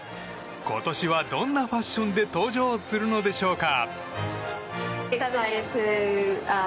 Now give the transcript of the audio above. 今年はどんなファッションで登場するのでしょうか？